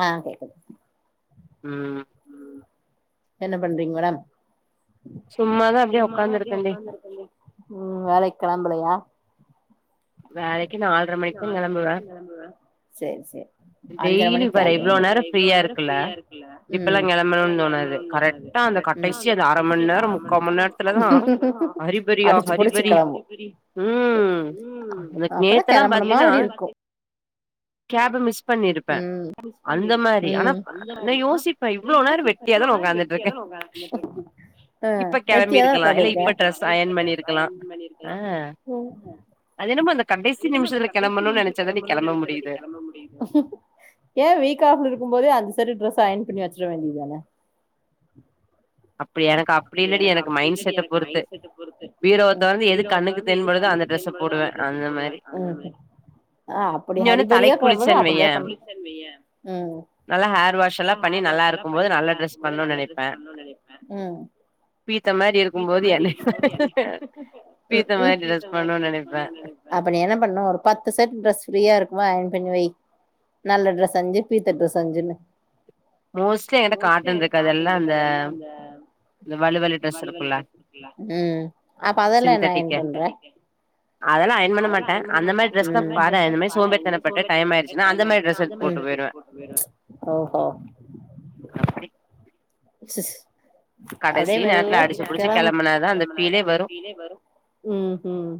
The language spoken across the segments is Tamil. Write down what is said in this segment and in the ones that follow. ஆ கேக்குது என்ன பண்றீங்க மேடம் சும்மா தா அப்டியே உக்காந்துருக்கன்டி ம் வேலைக் கெழம்பலையா வேலைக்கி நால்ர மணிக்கு தா கெளம்புவே சேர் சேர் டெய்லி பாரு இவ்ளோ நேரோ ஃப்ரீயா இருக்கீல்ல இப்பெல்லா கெளம்பண்ணு தோனாது அடிச்சு புடிச்சு கெளம்புவோ ம் அப்பதா கெளம்புன மாதிரி இருக்கு மிஸ் பண்ணிருப்பேன் அந்த மாரி ஆனா யோசிப்பே இவ்ளோ நேரோ வெட்டியா தா உக்காந் அ எட்த்து எதுல உக்காந்துருக்க உங்க அது என்னமோ அந்த கடைசி நிமிஷத்துல கெளம்பணுன்னு நெனைச்சாதான்டி கெளம்ப முடியுது ஏ வீக் ஆப்ல இருக்கும் போதே அந்த சரி ட்ரெஸ் அயன் பண்ணி வச்சுற வேண்டியது தான இப்ப எனக்கு அப்டி இல்ல‌டி எனக்கு மைண்ட் செட்ட பொறுத்து பீரோவ தொறந்து எது கண்ணுக்கு ம் ஆ அப்புடி ஹரி பரியா கெழம்பனு அப் [unintelligible] கம் ம் நல்லா ஹேர் வாஷ் எல்லா பண்ணி நல்லா இருக்கும்போது நல்ல ட்ரெஸ் பண்ணனுன் நெனைப்பே ம் பீத்த மாரி இருக்கும்போது என்னை பீத்த மாரி ட்ரெஸ் பண்ணன்னு நெனைப்பே அப்ப நீ என்ன பண்ணும் ஒரு பத்து செட் ட்ரஸ் ஃப்ரீயா இருக்கும் போது அயன் பண்ணி வை நல்ல டிரெஸ் அஞ்சு பீத்த ட்ரஸ் அஞ்சுன்னு மோஸ்ட்லி எங்கிட்ட காட்டன் இருக்காது எல்லா அந்த ம் ம் அப்ப அதெல்ல நா எ பண்றே அதெல்லா ஆயிட் யின் பண்ண மாட்டே அந்த மாரி ட்ரஸ்‌ தா பாறே அந்த மாறி சோம்பேறி தனோ பட்டு டைம் ஆயிடுச்சுனா அந்த மாரி ட்ரெஸ் எடுத்து போட்டு போய்ருவே ஓஹோ சிஸ் அப்டியே மெதுவா கெளம் ம் ஹும்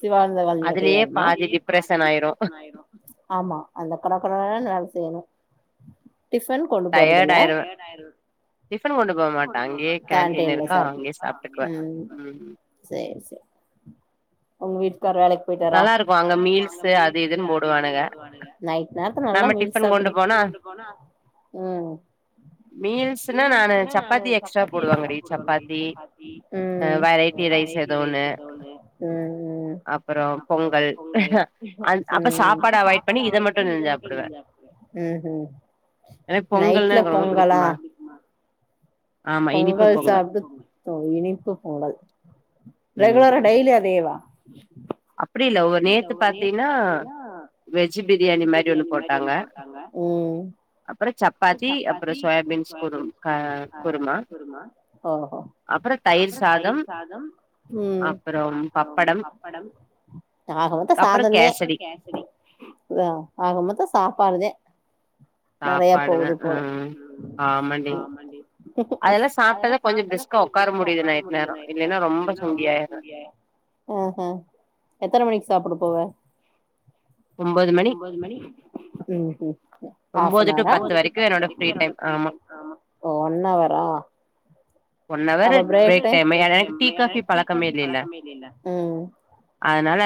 சிவானந்தோ வந்தப்ப யாருன்னோ ஆமா அந்த கடக்குல்ல தா வேல செய்யணு டிஃபன் கொண்டு போறதுல்ல கேன்டீன்ல சார் ம் சேரி சேரி உங்க வீட்டுக்கார் வேலைக் போயிட்டார நைட்‌ நேரத்துல நல்லா மீல்ஸ் சாப்டு ம் மீல்ஸ்ன்னா நானு சப்பாத்தி எக்ஸ்ட்ரா போடுவாங்கடி சப்பாத்தி வெரைட்டி ரைஸ் ஏதோ ஒண்ணு ம் அப்றோ பொங்கல் அப்ப சாப்பாடு அவாய்ட் பண்ணி இத மட்டு நா சாப்பிடுவே ம் ம் நைட்ல பொங்கலா பொங்கல் சாப்டு இனிப்பு பொங்கல் ரெகுலரா டெய்லி இதேதா அப்டி இல்ல ஒர் நேத்து பாத்தீன்னா ம் அப்பற சப் ஓஹோ ம் ஆக மொத்த சாதம்தே அப்பறம்‌ கேசரி ஆக மொத்தோ சாப்பாடுதே சாப்பாடுதா ஆ ஆமாண்டி அதெல்லா சாப்பிட்டதா கொஞ்சோ பிரிஸ்க்கா உக்கார முடியுது நைட் நேரோ ஆஹா எத்தன மணிக் சாப்புட போவ ம் ஹும் ஹாஃபன் ஆரா ஒன் அவரா அவ ப்ரேக் டைம் ம் அதனால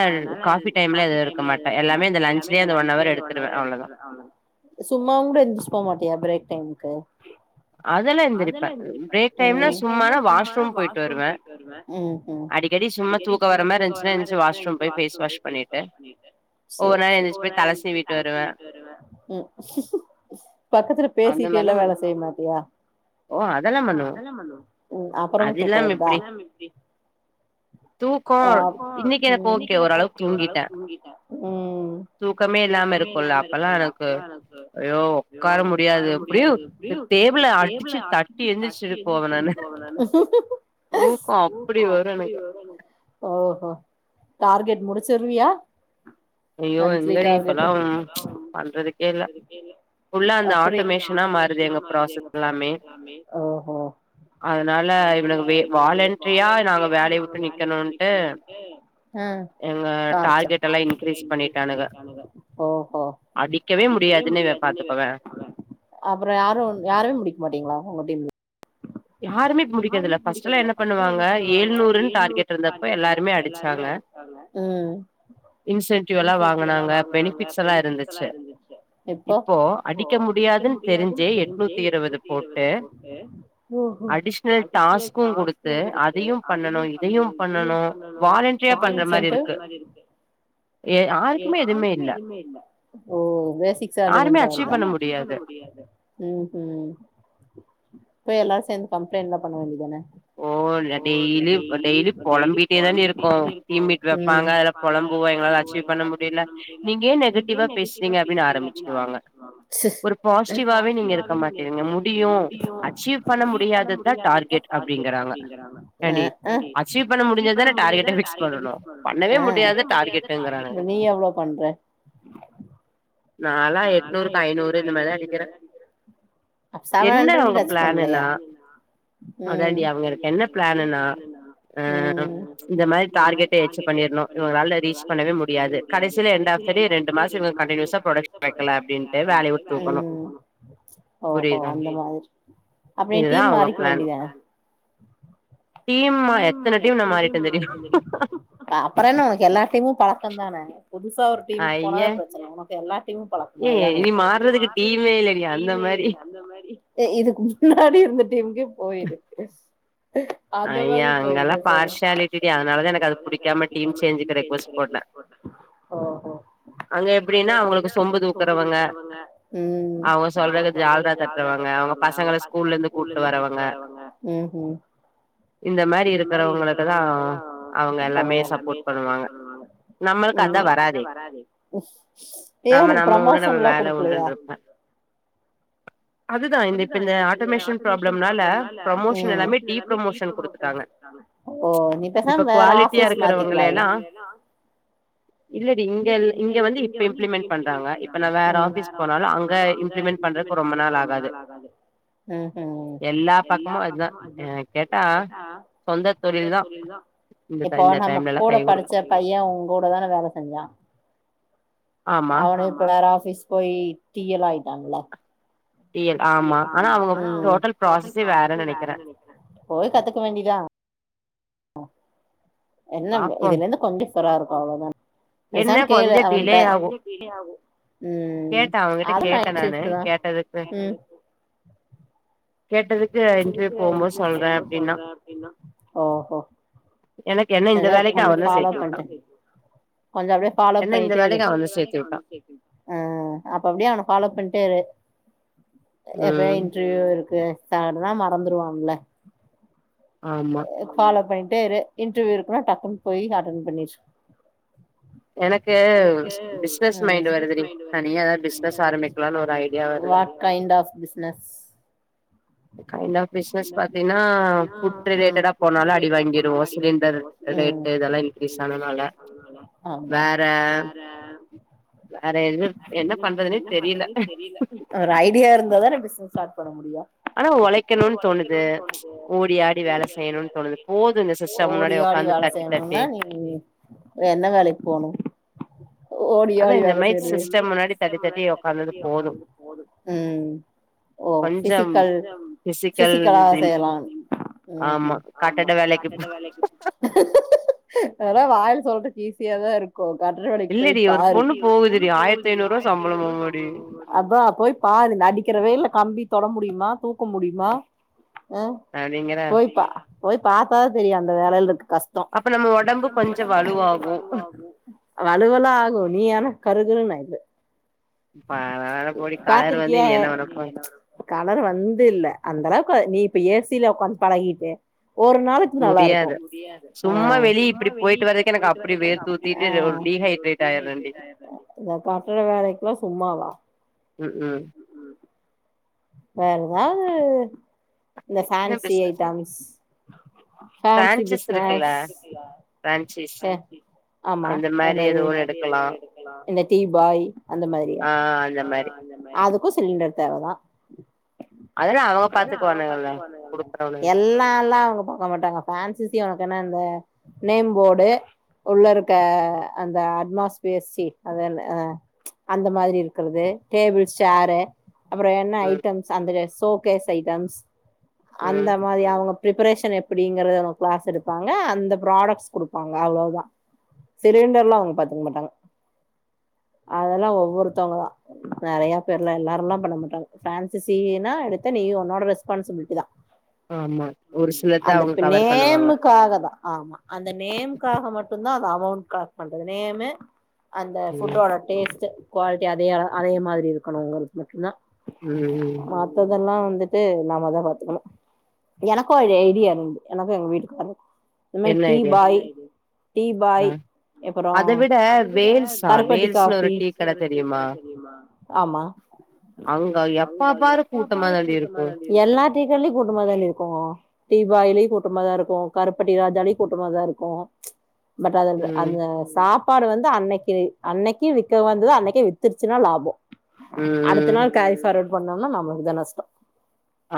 காஃபி டைம்ல எது எடுக்க மாட்ட எல்லாமே இந்த லன்ச்லே அந்த ஒன் அவர் எடுத்துடுவே அவ்ளோதா சும்மாவுங்கூட எந்திரிச்சு போமாட்டியா ப்ரேக் டைம்க்கு அதெல்லா எந்திரிப்பெ பிரேக் டைம்னா சும்மான்னா வாஷ்ரூம் போய்ட்டு வருவெ ம் ம் அடிக்கடி சும்மா தூக்கோ வர மாரி இருந்துச்சுன்னா என்ச்சி வா ஷ் ரூம் போய் பேஸ் வாஷ் பண்ணிட்டு போற என்ச்சி போய் தல சீவிட்டு வருவ பக்கத்துல பேசிட்டேல்லா வேல செய்ய மாட்டியா ஓ அதெல்லா பண்ணுவோ அதுல்லாம எப்டி தூக்கால் இன்னிக்கி இன்னக்கி எனக்கு ஒகே ஓரளவுக் தூங்கிட்டா தூக்கமே இல்லாம இருக்கோல்ல அப்பல்லா எனக்கு ஐயோ ஒக்கார முடியாது எப்டியோ யு டேபிள அடிச்சு தட்டி எந்திரிச்சி போவே நானு தூக்கோ அப்டி வரு எனக்கு டார்கெட் முடிச்சுருவீயா ஐயோ எங்கடி இப்பலாம் பண்றதுக்கேல்ல முடில ஃபுல்லா அந்த ஆட்டோமேஷனா மாறுது எங்க ப்ராசஸ் எல்லாமே அதுனால இவனுங்க வே வாலண்ட்ரியா நாங்க வேலய விட்டு நிக்கணுட்டு ம் டார்ச்சர் ஓஹோ அப்புற யாரு யாரு முடிக்க மாட்டீங்களா ஒங்க டீம் யாருமே இப்ப முடிக்கறதுல்ல ஃபஸ்ட்டுல என்ன பண்ணுவாங்க ஏழ்நூறுன் டார்கெட்ருந்தப்ப எல்லாருமே அடிச்சாங்க ம் இன்சென்டிவ் எல்லா வாங்குனாங்க பெனிஃபிட்ஸ் எல்லா இருந்துச்சு இப்போ அடிக்க முடியாதுன் தெரிஞ்சே எட்நூத்தி இரவது போட்டு அ அடிஷ்னல் டாஸ்க்கு குடுத்து அதையு பண்ணணு இதையு பண்ணணு வாலண்ட்ரியா பண்ற மாரி இருக்கு ஓ வே சிக்ஸ் ஆல்ரிரெமெண்ட் தா வர்தா ம் ம் அப்ப எல்லாரு சேந்து கம்ப்ளைன்ட்லா பண்ண வேண்டிதான ஓ சொல்ல டெய்லியு டெய்லியு பொலம்பிட்டே தா டி இருக்கு டீம் லீட் வெப்பாங்க அதுல பொலம்புவா எங்ளால அச்சீவ் பண்ண மு டில நீங்க ஏ நெகட்டிவா பேஸ்றீங்க அப்டின் ஆரம்பிச்சிருவாங்க ஒரு பாசிட்டிவாவே நீங்க இருக்க மாட்டீங்க முடியு அச்சீவ் பண்ண முடியாததா டார்கெட் அ க்க அ நீ எவ்ளோ பண்ற நாலா எட்நூறுக்கு ஐநூறு இந்த மாரி தா அடிக்கிற என்ன அவுங்க ப்ளானுனா அதாண்டி அவங்களுக்கு என்ன பிளான்னுனா அ இந்த மாரி டார்கெட் எப்டியாச்சு பண்ணிர்னு இவங்களால ரீச் பண்ணவே முடியாது கடைசில எண்ட் ஆஃப் த டே ரெண்டு மாசோ இவங் கண்டினியூஸா ப்ரொடக் ம் ஓஹோ அந்த மாதிரி அப்ப எ டீம் மாறிக்க வேண்டிதுதானே அப்புற என்ன உனக்கு எல்லா டீமு பழக்கந்தானே புதுசா ஒரு டீமுக் போனா பிரச்சன உனக் எல்லா டீமு பழக்கமா அதுதான எ இதுக்கு முன்னாடி இருந்த டீம்கே போய்யிரு அந்த மாரி போயிடு ஓகோ ம் இப்ப சொல்ரது ஜால்ரா தட்றவங்க அவங்க பசங்கள ஸ்கூல்ல இருந்து கூட்டுவரவங்க ம் ம் ஓ ஏ உனக்கு ப்ரமோஷன் எல்லா குடுக்கலையா அதுதா இந்த இப்ப இந்த ஆட்டோமேஷன் ப்ராப்ளம்னால ப்ரொமோஷன் எல்லாமே டீப் ஓ பேசாம் வேற ஆஃபிஸ் மாத்திக்லால இல்லடி இங்க இங்க வந்து இப்ப இம்ப்ளிமெண்ட் பண்றாங்க இப்ப நா வேற ஆஃபீஸ் போனாலு அங்க இம்ப்ளிமெண்ட் பண்றக்கு ரொம்ப நாள் ஆகா ஆஹ கேட்டா சொந்த தொழில் சொந்த தொழில் தா இப்போ நம்ம கூட படிச்ச பைய உங கூட தானே வேல செஞ்சா அவனு பிளரா ஆஃபீஸ் போய் டீ எல் லா ஆயிட்டான்ல டீ எல் ஆமா ஆனா அவங்க டோட்டல் ப்ராசஸே வேறன் நெனைக்கிறே போய் கத்துக்க வேண்டியதா என்ன இதுல இருந்து கொஞ்சோ டிஃபரா இருக்கு அவ்ளோதான பேசாம கேளு அவே கிட்ட ம் அது நைட் ஷிப்ட் தா ம் கேட்டதுக்கு அவே என்ன தெரிமா சொல்றே அப்படின்னா எனக்கு என்ன அதா கொஞ்சோ ஃபாலோ பண்டே கொஞ்சோ அப்டியே ஃபாலோ பண்ணிட்டே இரு ஆ அப்ப அப்டியே அவன ஃபாலோ பண்ணிட்டே இரு எப்யு இன்டர்வியூ இருக்கு சாப்டதா மறந்துருவாம்ல ஆமா ஃபாலோ பண்ணிட்டே இரு இன்டர்வியூ இருக்குனா டக்குன்னு போய் அட்டன் பண்ணிரு எனக்கு பிஸ்னஸ் மைண்ட் வருது டி தனியா எதனா பிஸ்னஸ் ஆரம்பிக்கலாம்னு ஒரு kind of business kind of business பாத்தீங்னா ஃபுட் ரிலேட்டடா போனாலு அடி வாங்கிருவோ சிலிண்டர் ரேட்டு இதெல்லா இன்கிரீஸ் ஆனதுனால வேற வேற எது என்ன பண்றதுன்னே தெரில ஒரு ஐடியா இருந்தா தானே பிஸ்னஸ் ஸ்டார்ட் பண்ண முடியு ஆனா ஒழைக்கணுன்னு தோணுது ஓடி ஆடி வேல செய்யணுன்னு தோணுது போது இந்த சிஸ் ஓடியாடி வேல செய்யணுன்னா நீ என்ன வேலைக்கு போணு ஓடி ஆடி வேல செய்யறது ம் ஓ பிசிக்கல் பிசிக்கலா செய்யலான் ஆமா கட்டட வேலைக்கு அதெல்லா வாயில சொல்றக்கு ஈஸிய தா இருக் கோ கட்டட வேலைக்கு போய்பாரு அதா போயி பாரு இந்த அடிக்கிற வெயில்ல கம்பி தொட முடியுமா தூக்க முடியுமா அ போய் பா போய் பாத்தா தா தெரியு அந்த வேலையில இருக்க கஷ் அப்ப நம்ம ஒடம்பு கொஞ்சோ வலுவாகு வலுவல்லா ஆகு நீ ஆனா கருகருன்னு ஆயிடுவ பாத்திருக்கியா கலர்ரு வந்து இல்ல அந்த அளவுக்கு நீ இப்ப ஏ சி ல ஒக்காந்து பழகிட்டு ஒரு நாளு க்கு நல்லா இருக் முடியாது சும்மா வெளிய இப்டி போயிட்டு வரக்கே எனக்கு அப்டி வேக்குது அதுல டீ ஹைட்ரேட் ஆயிட்ற இந்த கட்டட வேலைக்குல்லா சும்மாவா ம் ம் வேற ஏதாது இந்த ஃபேன்சி ஐட்டம்ஸ் ஃபிரான்சைஸ் இருக்குல்ல ஃபிரான்சிஸ் ஆமா என்னது இந்த டீ பாய் அந்த மாரியா அதுக்கு சிலிண்டர் தேவதா எல்லால்ல அவுங்க பாக்க மாட்டாங்கோ ஃபிரான்சைஸ் உனக்கு என்ன அந்த நேம் போடு உள்ள இருக்க அந்த அட்மாஸ்ஃபியர் சி அதென்ன அ அந்த மாரி இருக்கறது டேபிள்ஸ் சேரு அப்றோ என்ன ஐட்டம்ஸ் அந்தனுட சோகேஸ் ஐட்டம்ஸ் அந்த மாரி அவங்க பிரிப்பரேஷன் எப்டிங்கறத நமக்கு கிளாஸ் எடுப்பாங்க அந்த ப்ராடக்ட்ஸ் குடுப்பாங்க அவ்ளோதா சிலிண்டர்ல்லா அவ்ங்க பாத்துக்க மாட்டாங்க அதல்லா ஒவ்வொருத்தவங்கதா நறைய பேர்லா எல்லாருல்லா பண்ண மாட்டாங்க ஃப்ரான்சிசின்னா எடுத்தா நீ உன்னோட ரெஸ்பான்சிபிலிட்டி தா ஆமா ஒரு சில தா அவுங்க கவர் பண்ணுவாங்க க்காகதா ஆமா அந்த நேம்க்காக மட்டுந்தா அது அமௌண்ட் க்ராஸ் பண்றது நேமு அந்த ஃபுட்டோட டேஸ்ட்டு குவாலிட்டி அதே அ அதே மாரி இருக்கனோங்குறது மட்டுந்தா ம் ம் மத்ததெல்லா வந்துட்டு நாமதா பாத்துக்கணு எனக்கு அடி ஐடியா இருந்து எனக்கு எங்க வீட்டுக்காரு இனிமே டீ பாய் டீ பாய் எப்பறொ கருப்பட்டி காஃபி ஆமா அங்க எப்பா பாரு கூட்டமா தாண்டி இருக்கு எல்லா டீ கட்லயு கூட்டுமா தான்டி இருக்கு டீ பாய்லி கூட்டமாதா இருக்கு கருப்பட்டி [unintelligible] கூட்டமாதா இருக்கு பட் அத அந்த சாப் பாடு வந்து அன்னைக்கி அன்னைக்கே விக்க வந்தது அன்னைக்கே வித்ருச்சுன்னா லாபொ ம் ம் இத்தன் நாள் கேரி ஃபார்வட் பண்ணோம்னா நமக்குதா நஷ்ட்டொ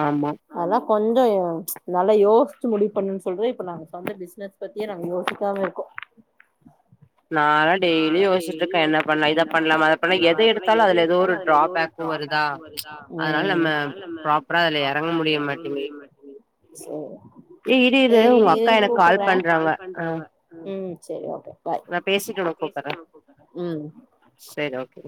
ஆமா அதல்லா கொஞ்சொ நல்லா யோ ச்சு முடிவ் பண்ணுன் சொல்றது இப்ப நாங்க சொந்த பிஸ்னஸ் பத்தியே நாங்க யோசிக்காம இருக்கோ நாலா டெய்லி யோசிச்சிட்ருக்க என்ன பண்லா இதப் பண்லாமா அத பண்லா எத எடுத்தாலு அதுல ஏதோ ஒரு ட்ராபேக் வருதா அதுனால நம்ம ப்ராப்பரா அதுல எறங்க முடிய மாட்டேங்கிது சேரி இரு கூப்புர்ற ம் செரி ஓகே நா பேசிட்டு உனுக் கூப்புர்ற சேரி ஓகே